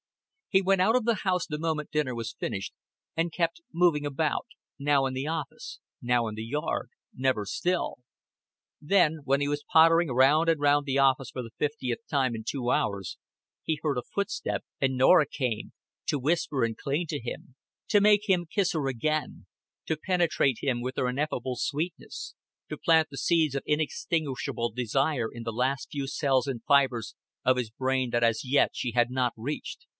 He went out of the house the moment dinner was finished, and kept moving about, now in the office, now in the yard, never still. Then, when he was pottering round and round the office for the fiftieth time in two hours, he heard a footstep, and Norah came to whisper and cling to him, to make him kiss her again; to penetrate him with her ineffable sweetness; to plant the seeds of inextinguishable desire in the last few cells and fibers of his brain that as yet she had not reached.